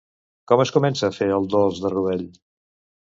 Com es comença a fer el dolç de rovell?